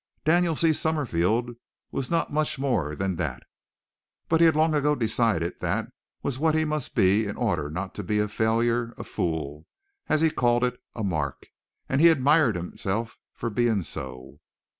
Daniel C. Summerfield was not much more than that, but he had long ago decided that was what he must be in order not to be a failure, a fool, and as he called it, "a mark," and he admired himself for being so.